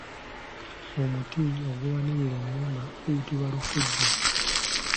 Omuti oguwanirira ennyumba guyitibwa Lufugo.